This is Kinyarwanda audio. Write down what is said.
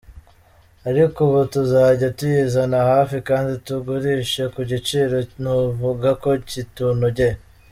Ariko ubu tuzajya tuyizana hafi kandi tugurishe ku giciro navuga ko kitunogeye.